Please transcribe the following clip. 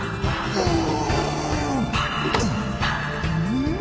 うん！